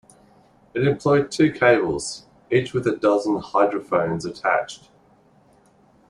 It employed two cables, each with a dozen hydrophones attached.